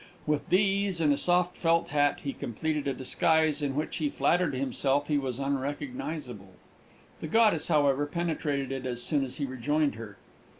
With these, and a soft felt hat, he completed a disguise in which he flattered himself he was unrecognisable. The goddess, however, penetrated it as soon as he rejoined her.